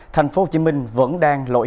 tp hcm vẫn đang lọt bỏ các chợ hoa tết